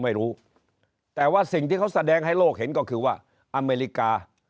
ไม่รู้แต่ว่าสิ่งที่เขาแสดงให้โลกเห็นก็คือว่าอเมริกา